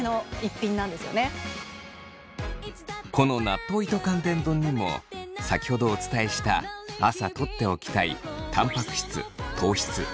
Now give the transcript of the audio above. この納豆糸寒天丼にも先ほどお伝えした朝とっておきたいたんぱく質糖質食物